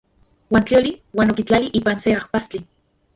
Uan tlioli uan okitlali ipan se ajpastli.